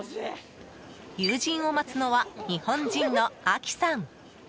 友人を待つのは日本人のアキさん。